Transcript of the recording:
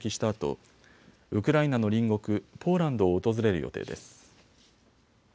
あとウクライナの隣国、ポーランドを訪れる予定です。